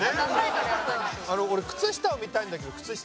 俺靴下を見たいんだけど靴下。